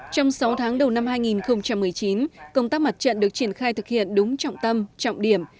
trong sáu tháng đầu năm hai nghìn một mươi chín công tác mặt trận được triển khai thực hiện đúng trọng tâm trọng điểm